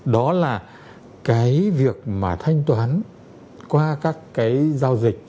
đó là cái việc mà thanh toán qua các cái giao dịch